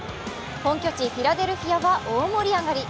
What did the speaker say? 本拠地フィラデルフィアは大盛り上がり。